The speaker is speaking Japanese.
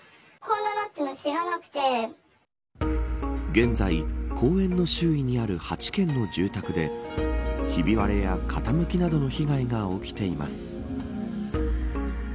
現在、公園の周囲にある８軒の住宅でひび割れや傾きなどの被害が起きています。